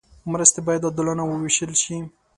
مرستې باید عادلانه وویشل شي.